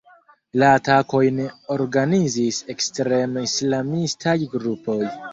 La atakojn organizis ekstrem-islamistaj grupoj.